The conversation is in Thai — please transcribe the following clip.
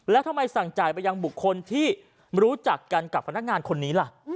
แล้วทำไมสั่งจ่ายไปยังบุคคลที่รู้จักกันกับพนักงานคนนี้ล่ะ